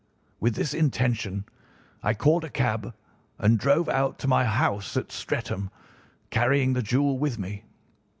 With this intention, I called a cab and drove out to my house at Streatham, carrying the jewel with me.